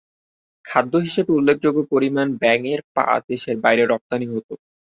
খাদ্য হিসেবে উল্লেখযোগ্য পরিমাণ ব্যাঙের পা দেশের বাইরে রপ্তানি হতো।